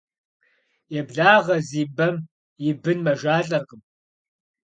Еблагъэ зи бэм и бын мэжалӀэркъым.